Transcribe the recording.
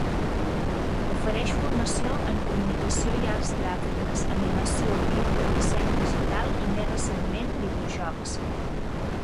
Ofereix formació en comunicació i arts gràfiques, animació, vídeo, disseny digital i, més recentment, videojocs.